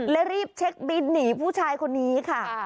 และรีบเช็คบินหนีผู้ชายคนนี้ค่ะ